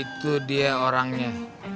itu dia orangnya